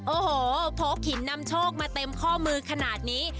โอ้โหพกหินนำโชคมาเต็มข้อมือขนาดนี้